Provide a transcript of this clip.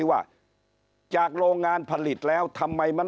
ก็จะวาดมารายการที่มาแล้วว่าจากโรงงานผลิตแล้วทำไมมัน